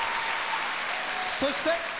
そして。